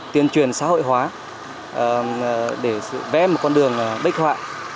tuyên truyền xã hội hóa để vẽ một con đường bích họa